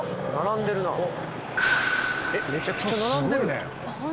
めちゃくちゃ並んでるえっ